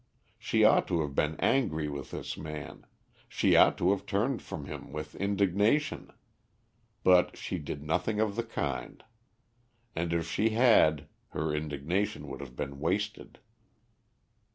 She ought to have been angry with this man; she ought to have turned from him with indignation; but she did nothing of the kind. And if she had, her indignation would have been wasted.